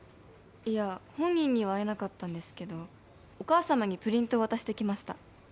いや本人には会えなかったんですけどお母様にプリントを渡してきました